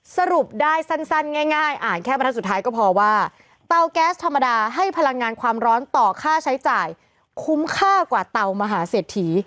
สรุปได้สั้นง่ายอ่านแค่บรรทัศน์สุดท้ายก็พอว่าเตาแก๊สธรรมดาให้พลังงานความร้อนต่อค่าใช้จ่ายคุ้มค่ากว่าเตามหาเศรษฐี